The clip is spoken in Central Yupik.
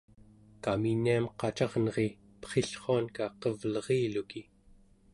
kaminiam qacarneri perrillruanka qevleriluki